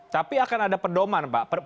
tapi akan ada pedoman pak